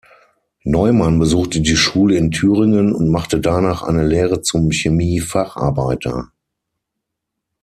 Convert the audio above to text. Neumann besuchte die Schule in Thüringen und machte danach eine Lehre zum Chemiefacharbeiter.